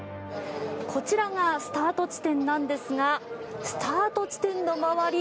こちらがスタート地点なんですがスタート地点の周り